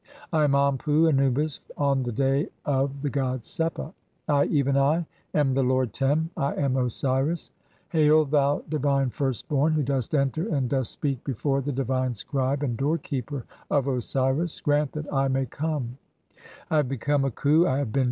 I am Anpu (Anubis) [on the day of] (9) "the god Sepa. I, even I, am the lord Tem. I am Osiris. Hail, "thou divine first born, who dost enter and dost speak before "the divine Scribe and Doorkeeper of Osiris, grant that (10) I "may come.